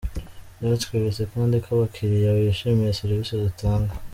Byatweretse kandi ko abakiriya bishimiye serivisi dutanga.